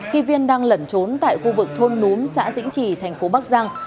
khi viên đang lẩn trốn tại khu vực thôn núm xã dĩnh trì thành phố bắc giang